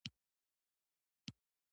قبر نه شنخته لري نه بله لیکنه.